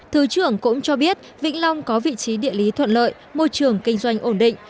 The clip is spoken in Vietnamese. thứ trưởng cũng cho biết vĩnh long có vị trí địa lý thuận lợi môi trường kinh doanh ổn định